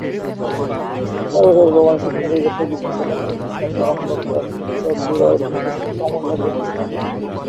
সর্বশেষ ভগবান কৃষ্ণ কুরুক্ষেত্রের যুদ্ধের প্রথম দিনে তিনি তার পরম ভক্ত ও শ্রেষ্ঠ বীর অর্জুনকে সেই অমূল্য জ্ঞান প্রদান করেন।